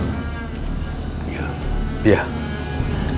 sebaiknya masalah danung kita rahasiakan terhadap masyarakat di sini burhan